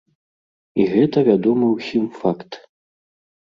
І гэта вядомы ўсім факт.